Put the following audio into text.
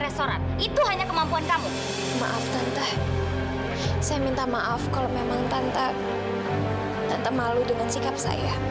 saya minta maaf kalau memang tante malu dengan sikap saya